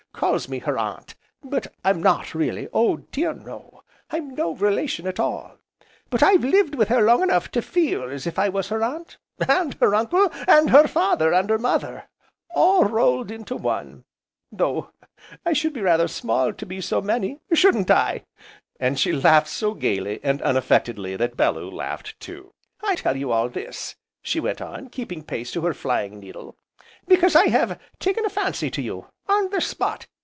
calls me her aunt, but I'm not really Oh dear no! I'm no relation at all! But I've lived with her long enough to feel as if I was her aunt, and her uncle, and her father, and her mother all rolled into one, though I should be rather small to be so many, shouldn't I?" and she laughed so gaily, and unaffectedly, that Bellew laughed too. "I tell you all this," she went on, keeping pace to her flying needle, "because I have taken a fancy to you on the spot!